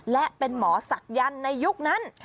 และเป็นหมอศักยันต์ในยุคนั้น